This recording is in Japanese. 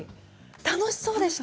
楽しそうでした。